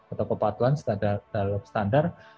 atau kepatuhan terhadap standar